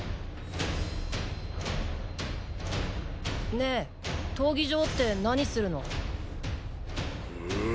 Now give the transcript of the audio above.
ねえ闘技場ってなにするの？